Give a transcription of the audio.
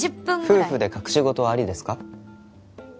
「夫婦で隠し事はありですか？」